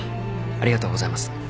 ありがとうございます。